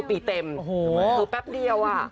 ๙ปีเต็มโอ้โหคือแป๊บเดียวอ่ะ